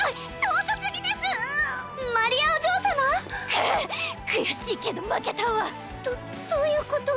くっ悔しいけど負けたわどどういうこと？